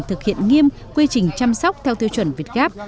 thực hiện nghiêm quy trình chăm sóc theo tiêu chuẩn việt gáp